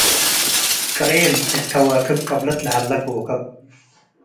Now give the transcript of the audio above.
ቅሬን፤ እት ከዋክብ ቅብለት ለሀለ ኮከብ ።